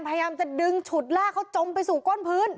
พยายามจะดึงฉุดลากเขาจมไปสู่ก้นพื้น